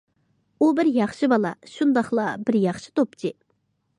ئۇ بىر ياخشى بالا، شۇنداقلا بىر ياخشى توپچى.